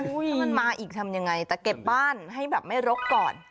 ถ้ามันมาอีกทำยังไงแต่เก็บบ้านให้แบบไม่รกก่อน